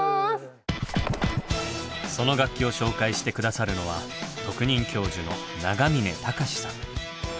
その楽器を紹介して下さるのは特任教授の永峰高志さん。